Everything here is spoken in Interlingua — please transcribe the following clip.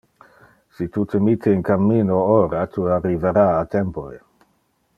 Si tu te mitte in cammino ora, tu arrivara a tempore.